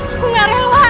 aku gak rela